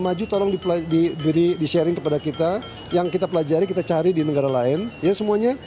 maju tolong diberi di sharing kepada kita yang kita pelajari kita cari di negara lain ya semuanya